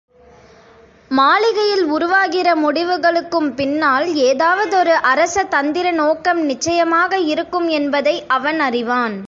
மாளிகையில் உருவாகிற முடிவுகளுக்கும், பின்னால் ஏதாவதொரு அரச தந்திர நோக்கம் நிச்சயமாக இருக்கும் என்பதை அவன் அறிவான்.